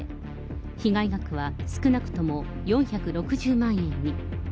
被害額は少なくとも４６０万円に。